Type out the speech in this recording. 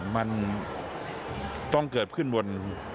มันต้องเกิดขึ้นบน